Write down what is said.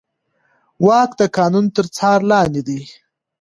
واک د قانون تر څار لاندې دی.